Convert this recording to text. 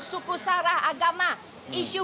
suku sarah agama isu